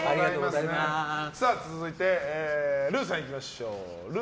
続いて、ルーさんいきましょう。